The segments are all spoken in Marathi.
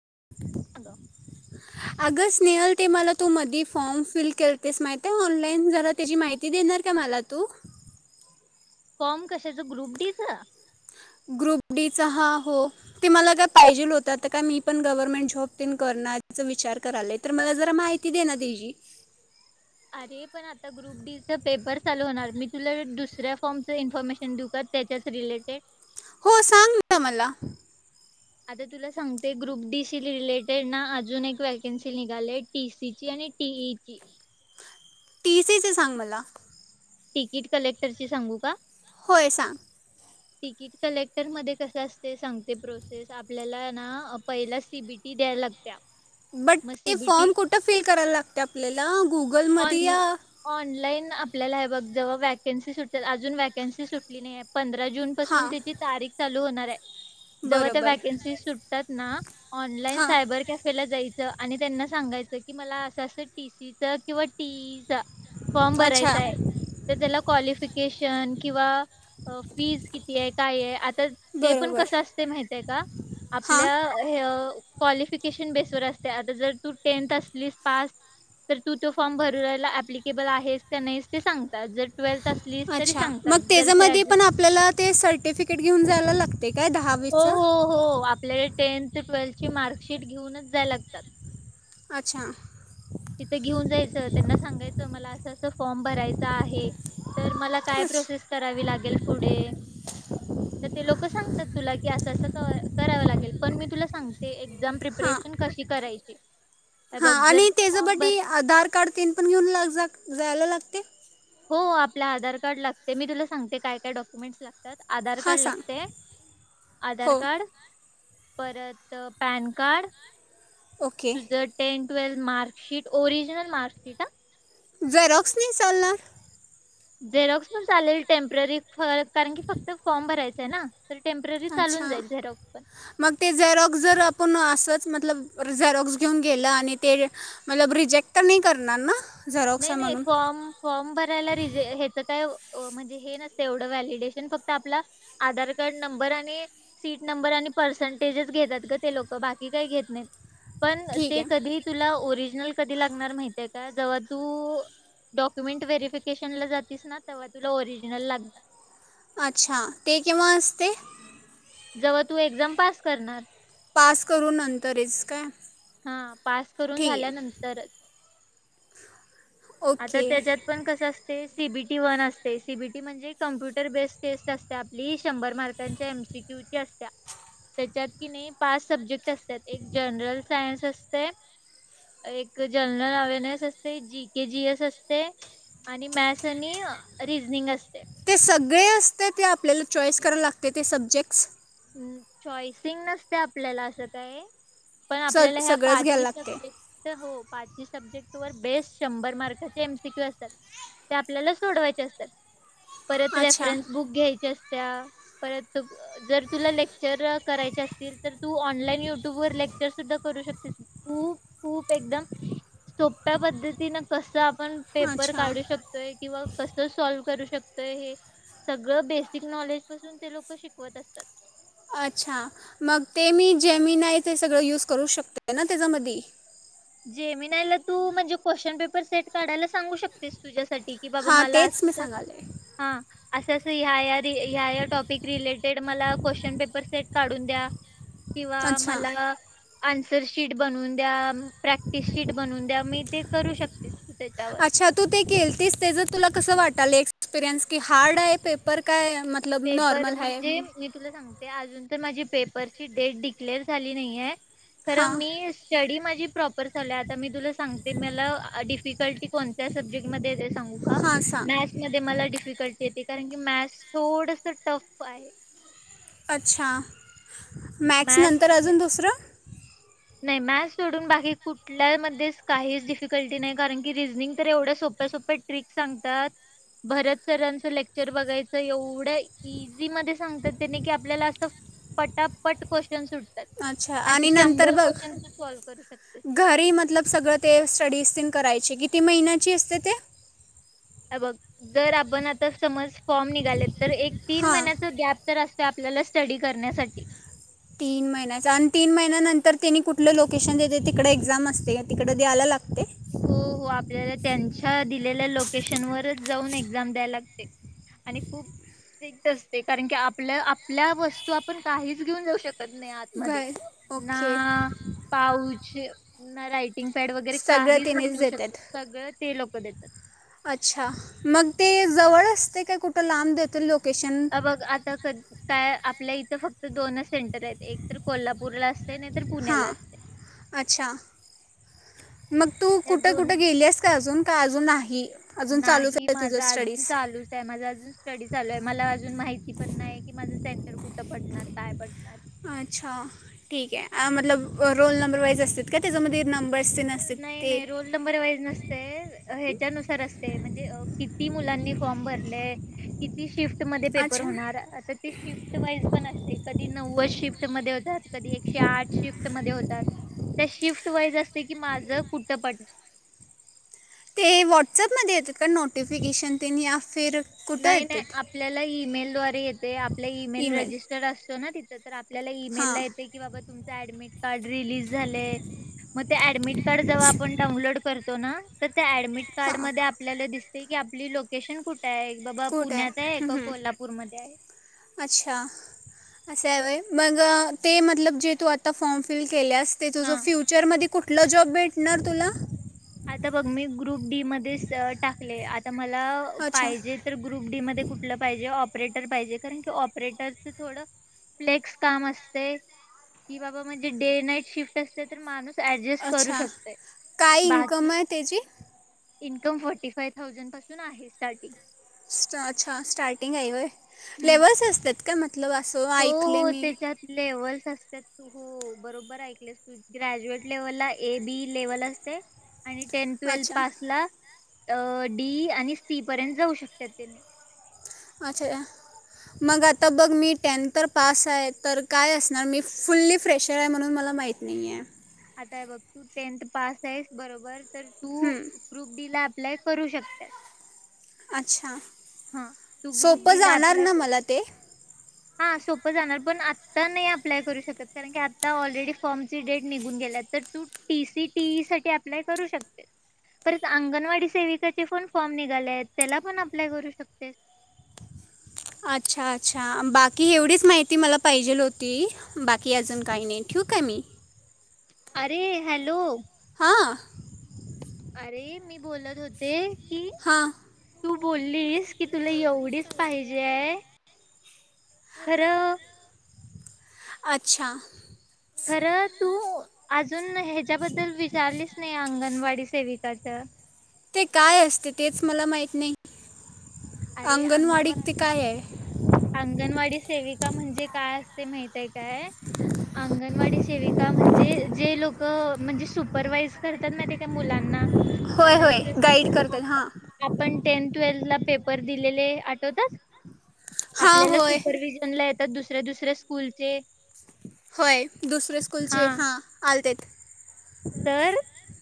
[inaudible] अग ऑगस्ट स्नेहल ते मला तू मधी फॉर्म फिल केलेतेस माहिती आहे. ऑनलाईन जरा त्याची माहिती देणार का मला तू? फॉर्म कशाच ग्रुप डी चा? ग्रुप डी चा हा हो ते मला काय पायजेल होत, त काय मी पण गव्हर्मेंट जॉबिंग करण्याचा विचार कराले, तर मला जरा माहिती दे ना ती. अरे पण आता ग्रुप डी च पेपर चालू होणार, मी तुला दुसऱ्या फॉर्मच इन्फॉर्मेशन देऊ का त्याच्याच रिलेटेड? हो सांग ना मला. आता तुला सांगते ग्रुप डी शी रिलेटेड ना अजून एक वॅकन्सी निघाली टी सी ची आणि टी ई ची. टी सी च सांग मला. तिकीट कलेक्टर ची सांगू का? होय सांग. तिकीट कलेक्टर मध्ये कस असते सांगते प्रोसेस, आपल्याला ना पहिल सी बी टी द्याय लागत्या. बट मग ते सीबीटी फॉर्म कुठ फिल करायला लागतं आपल्याला गुग - [unintelligible] लाईन आपल्याला हे बघ, जव्हा वॅकेन्सी सुटेल अजून वॅकन्सी सुटली नाही. पंधरा जून पासून हां त्याची तारीख चालू होणार. [unintelligible] जव्हा त्या बरोबर वॅकन्सी सुटतात ना. ऑनलाईन हां सायबर कॅफेला जाय आणि त्यांना सांगायचं की मला असं असं टी सी च किंवा टी टीसीचा फॉर्म अच्छा भरायचा आहे त्याला कॉलिफिकेशन [unintelligible] ्षण किंवा अ फीज किती? हे काय आहे तर ते पण बरोबर कसं असते माहित का हां आपल्या हे कॉलिफिकेशन बेस वर असते आता जर तू टेंथ असलीस पास तर? तू ते फॉर्म भररायला ऍप्लिकेबल आहेस त्या नाहीस ते सांगतात जर ट्वेल्थ असलीस तरी अच्छा सांगतात मग जर त्याच्यामध्ये ग्रॅज्युएट पण आपल्या ते सर्टिफिकेट घेऊन जायला लागते का? हो हो हो आप आपले टेन्थ ट्वेल्थ ची मार्कशीट घेऊनच जायला लागत. अच्छा. तिथे घेऊन जायचं त्यांना सांगायचं मला असं -असं फॉर्म भरायचा आहे. तर मला काय प्रोसेस करावी लागेल पुढे? [inaudible] तर ते लोक सांगतात तुला की असं असं क- करावं लागेल पण मी तुला सांगते एक्झाम हां प्रिपरेशन कशी करायची? हे हां बघ जर आणि फॉर्म भर त्याच्यासाठी आधार कार्ड पण घेऊन जायला लागते? [unintelligible] ते हो आपलाधार कार्ड लागते मी तुला सांगते काय काय डॉक्युमेंट्स लागतात आधार हां कार्ड सांग लागते- आधार हो कार्ड परत.. पॅन कार्ड. ओके तुझं tenth twelfth mark sheet- original mark sheet हा. झेरॉक्स नाही चालणार? [inaudible] झेरॉक्स पण चालेल टेम्पररी. [unintelligible] कारण की फक्त फॉर्म भरायचं. असत ना [unintelligible] अच्छा चालून अं.. जाईल झेरॉक्स पण मग ते झेरॉक्स जर आपूण असचं मतलब झेरॉक्स घेऊन गेलं आणि ते मतलब रिजेक्ट तर नाही करणार ना? झेरॉक्स नाही आहे नाही म्हणून फॉर्म -फॉर्म भरायला- रिजेक्ट हेच काय म्हणजे हे नसतं एवढं व्हॅलिडेशन फक्त आपला आधार कार्ड नंबर आणि सीट नंबर आणि परसेंटेज घेतात ग ते लोक बाकी काही घेत नाहीत. पण ठीक ते आहे कधी तुला ओरिजनल कधी लागणार माहितय का जवळ? [unintelligible] तु डॉक्युमेंट व्हेरिफिकेशनला जातीस ना तेव्हा तुला ओरिजिनल लागणार. अच्छा ते केव्हा असते [inaudible] जेव्हा तू एक्झाम पास करणार. पास करू नंतरच -काय हा पास करून ठीक आहे झाल्यानंतर आता ओके त्याच्यात पण कसं असतेस सीबीटी वन असते, सीबीटी म्हणजे कम्प्युटर बेस्ट टेस्ट असते आपली शंभर मार्कांच्या एमसिक्यू [unintelligible] त्याच्यात कि नाही पाच सब्जेक्ट असत्यात एक जनरल [unintelligible] सायन्स असतय, एक जनरल अवेनेस असतय जी के जीएस असते आणि मॅथ्स आणि रिझनिंग असतय ते सगळे असते ते आपल्याला चॉईस करायला लागते ते सब्जेक्ट्स चॉईसिंग नसते आपल्याला असं काय पण स आपल्याला ह्या सगळंच घ्यायला पाची लागते -सब्जेक्ट हो पाची सब्जेक्ट [inaudible] बेस शंभर मार्काचे एमसिक्यू असतात ते आपल्याला सोडवायचे असतात परत अच्छा रेफरन्स बुक घ्यायचे असते त्या परत जर तुला लेक्चर करायचे असतील तर तू ऑनलाईन युट्यूब वर लेक सुद्धा करू शकते खूप खूप एकदम सोप्या पद्धतीनं कसं पण पेपर अच्छा काढू शकतोय किंवा कसं सॉल्व करू शकतं हे सगळं बेसिक नॉलेज पासून ते लोकं शिकवत असतात अच्छा मग ते मी जेमीनाय ते सगळं यूज करू शकते ना त्याच्यामधी जेमीनायला तू म्हणजे क्वेश्चन पेपर सेट काढायला सांगू शकतेस तुझ्यासाठी की बाबा हां मला तेच मी असं सांगाले हा असंच ह्या ह्या टॉपिक रिलेटेड मला क्वेश्चन पेपर सेट काढून द्या किंवा अच्छा मला आन्सर शीट बनवून द्या प्रॅक्टिस शीट बनवून द्या मी ते करू शकते अच्छा तू ते केलतीस त्याचं तुला कसं वाटालय एक्सपिरियन्स की हार्ड आहे पेपर काय मतलब पेपर नॉर्मल आहे म्हणजे मी तुला सांगते अजून तर माझी पेपरची डेट डिक्लेअर झाली नाहीये खरं हां मी स्टडी मा मी प्रॉपर झालोय आता मी तुला सांगतो मला डिफिकल्टी कोणत्या सब्जेक्टमध्ये सांगू का हां सांग मॅथ्समध्ये मला डिफि फिकल्टी येते कारण की म्यात्स थोडस टफ आहे. अच्छा मॅक्स नंतर मॅथ्समध्ये अजून दुसरं नाही मॅथ्स सोडून बाकी कुठल्या मधेच काहीच डिफिकल्टी नाही कारण की रिजनिंग तर एवढ्या सोप्या सोप्या ट्रिक सांगतात भरत सरांच लेक्चर बघायचं एवढ्या इझी मध्ये सांगतात तेने की आपल्याला असं पटापट क्वेस्टियन्स सुट अच्छा आणि नंतर ब सॉल्व्ह करू शकतेस घरी मतलब, सगळं ते स्टडीजतेन करायची, किती महिन्याची असते ते? अबघ जर आपण, आता समज फॉर्म निघालेत तर एक तीन हां महिन्याच गॅप तर आस आपल्याला स्टडी करण्यासाठी. तीन महिन्याचा आणि तीन महिन्यानंतर तिने कुठलं लोकेशन देतय तिकडे एक्झाम असते तिकडे द्यायला लागत हो हो आपल्याला त्यांच्या दिलेल्या लोकेशन वरच जाऊन एक्झाम द्याय लागते आणि खूप स्ट्रिक्ट असते कारण की आपल्या आपल्या वस्तू आपण काहीच घेऊन जाऊ शकत नाही आतमध्ये घर ना ओके पाऊच ना रायटिंग पॅड वैगेरे सगळं काहीच नाही त्यांनीच नेऊ शकत देतात सगळं ते लोक क देतात. अच्छा मग ते जवळ असतय काय कुठ लांब देतील लोक अ बघ आता काय आपल्या इथं फक्त दोनच सेंटर आहेत एक तर कोल्हापूरला आस हां अच्छा मग तू या कुठं कुठं दोन्ही गेली आहेस का अजून? का अजून नाही अजून चालूच नाही आहे तुझं माझा अजून स्टडीज चालूच आहे माझा अजून स्टडी चालू आहे मला अजून माहिती पण नाही की माझं सेंटर कुठ पडणार काय पडणार अच्छा ठीक आहे हा मतलब रोल नंबर वाईज असत्यात काय तेच्यामध्ये नंबर? नाही नाही रोल नंबर वाईज नसतय हे च्या नुसार असतय म्हणजे किती मुलांनी फॉम भरलय किती शी शिफ्ट मध्ये पेपर अच्छा होणार आता ते शिफ्ट वाइज पण असतय कधी नव्वद शिफ्ट शिफ्ट मध्ये होत्यात कधीे एकशे आठ शिफ्ट मध्ये होतात त्या शिफ्ट वाईज असतं की माझं कुठ पडणार? ते व्हॉट्सअपमध्ये येतात का नोटिफिकेशन तेन या फिर कुठं नाही नाही येतात आपल्याला ई-मेल द्वारे ते येतय आप आपल्या ई-मेल रजिस्टर असतो ना तिथं तर आपल्याला ई-मेल ला हां येतय की बाबा तुमच ऍडमीट कार्ड रिलीज झालय मग ते ऍडमिट कार्ड जवा आपण डाऊनलोड कर तो ना त्या ऍडमिट कार्ड हां मध्ये आपल्याला दिस ती की आपली लोकेशन कुठ आहे बाबा कुठं पुण्यात आहे का हम्म, हम्म. कोल्हापूरमध्ये आहे. अस हाय होय मग ते मतलब जे तू आता फॉम फिल केल्यास ते तुझं हा फ्युचर मध्ये कुठ कुठला जॉब भेटणार तुला? आता बघ मी ग्रुप डी मध्येच टाकलय मला अच्छा पाहिजे तर ग्रुप डी मध्ये कुठलं पाहिजे ऑपरेटर तर पाहिजे कारण की ऑपरेटरच थोड फ्लेक्स काम असतयं कि बाबा म्हणजे डे-नाईट शिफ्ट असते तर माणूस ऍडजेस्ट करू शकतयं. इनंकम आहे तेजी इन्कम फोर्टी फाय थाउजंड पासून आहे स्टार्टिंग स्टा अच्छा स्टार्टिंग आहे होय? लेवल्स् असतात का म मतलब असं ऐकले मी असत्यात हो बरोबर ऐकलेस तू ग्रॅज्युएट लेव्हलला ए बी लेव्हल असते. आणि टेन्थ ट्वेल्थ अच्छा पास ला अ डी आणि सी पर्यंत जाऊ शकतात त्यांनी अच्छा मग आता बघ मी टेन्थ तर पास आहे तर काय असणार मी फुल्ली फ्रेशर आहे म्हणून मला माहीत नाही आहे. आता हे बघ तू टेन्थ पास आहेस बरोबर तर तू आहे ग्रुप डी ला अप्लाय करू शकत्यास. अच्छा ग्रुप सोपं डी ला जाणार अप्लाय ना कर मला ते? हा सोपं जाणार पण आता नाही अप्लाय करू शकत कारण की आता ऑलरेडी फॉर्मची डेट निघून गेल्या तर तू टी. सी. टी. ई साठी अप्लाय करू शकतेस, परत अंगणवाडी सेविकाचे पण फॉर्म निघाले आहेत त्याला पण अप्लाय करू शक शकतेेस. अच्छा अच्छा बाकी एवढीच माहिती मला पाहिजेल होती बाकी अजून काही नाही ठेवू काय मी? अरे हॅलो हां आरे मी बोलत होते हां बोलीस की तुला एवढीच पाहिजे आहे खरं अच्छा खरं तू आजून ह्याच्याबद्दल विचारलीच नाही अंगणवाडी सेविकाचं? ते काय असतंय तेच मला माहित नाही. अरे अंगणवाडी अंगणवा ते काय आहे अंगणवाडीस सेविका म्हणजे काय असते माहित आहे काय, अंगणवाडी सेविका म्हणजे, जे लोकं म्हणजे सुपरवाइज करतात ना, ते त्या मुलांना होय आता होय गाईड जसं करतात हां आपण टेंथ ट्वेल्थला पेप लेले आठवतात? हा आपल्याला होय सुपरव्हिजनला ये तर दुसऱ्या दुसऱ्या स्कूलचे होय दुसऱ्या हा स्कूलचे हां आलतेे. तर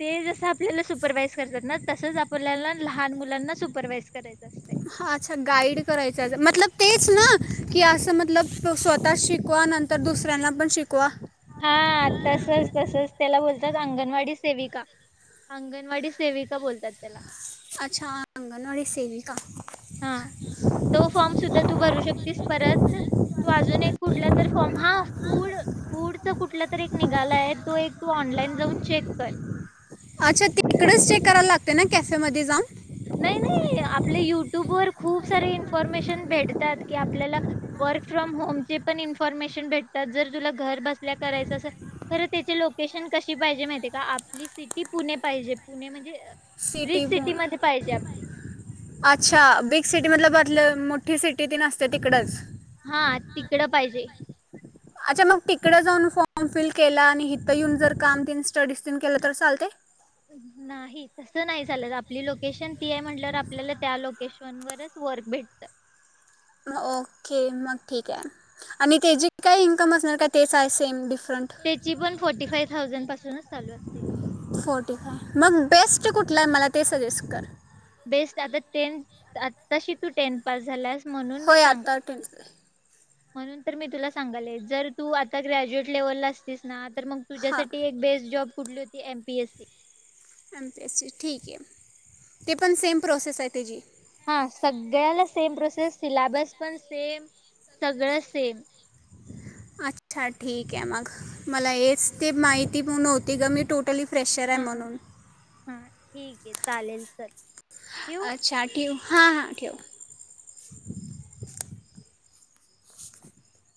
ते जसं आपल्याला सुपरवाइज करतात ना, तसंच आपल्याला लहान मुलांना सुपरवाइज करायचं असतं. हां अच्छा गाईड करायचंय, मतलब तेच ना की असं, मतलब स्वतः शिकवा नंतर दुसऱ्यांना पण शिकवा. हा तसंच तसंच त्याला बोलतात अंगणवाडी सेविका, अंगणवाडी सेविका बोलतात त्याला. अच्छा अंगणवाडी सेविका. हां, तो फॉर्म सुद्धा तू भरू शकतेस परत, तू अजून एक कुठला तर फॉर्म हां फूड फूड च कुठला तर एक निघाला आहे तो एक तू ऑनलाइन जाऊन चेक कर. अच्छा, तिकडेच चेक करायला लागते नाय काय त्यामध्ये जाऊन नाही नाही आपले युट्यूब वर खूप सारे इन्फर्मेशन भेटतात की आपल्याला वर्क फ्रॉम होमचे पण इन्फर्मेशन भेटतात जर तुला घर बसल्या करायचं असेल खरं त्याचे लोकेशन कशी पाहिजे माहिती आहे का आपली सिटी पुणे पाहिजे पुणे म्हणजे सिटी [unintelligible] रिच सिटीमध्ये पाहिजे आपली अच्छा बिग सिटी मतलब लय मोठी सिटी ती नसते तिकडच हां तिकडं पाहिजे. अच्छा मग तिकडे जाऊन फॉर्म फिल केला आणि हिथं येऊन जर काम तिनं ड्रीस्टन केलं तर चालते? तीथली आहे म्हंटल्यावर आपल्याला त्या लोकेशन वरच वर्क भेटत. मग ओके मग ठिक आहे आणि ते जे काही इन्कम असणार का तेचा आहे सेम डिफ त्याची पण फोर्टी फाइव थाउजंड पासूनच चालू असते इन्कम. फोर्टी फाय मग बेस्ट कुठला आहे मला ते सजेस्ट कर. बेस्ट आता टेंथ आताशी तू टेंथ पास झालायस. होय आता टेंथला आहे. म्हणून तर मी तुला सांगालय जर तू आता ग्रॅज्युएट लेवलला असतीस ना तर मग हां तुझ्यासाठी एक बेस्ट जॉब पुुढली होती M. P. S. C. M. P. S. C. ठीक आहे ते पण सेम प्रोसेस आहे त्याची. हा, सगळ्याला सेम प्रोसेस, सिलॅबस पण सेम, सगळं सेम. अच्छा ठीक आहे मग, मला हेच ते माहिती नव्हती ग मी टोटली फ्रेशर आहे हा म्हणून. हा ठीक आहे चालेल चल ठेवू अच्छा ठेवू. हां हां ठेव.